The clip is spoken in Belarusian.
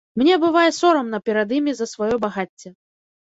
Мне бывае сорамна перад імі за сваё багацце.